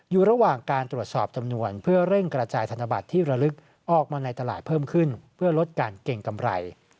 อยู่ระหว่างการตรวจสอบจำนวนเพื่อเร่งกระจายธนบัตรที่ระลึกออกมาในตลาดเพิ่มขึ้นเพื่อลดการเก่งกำไร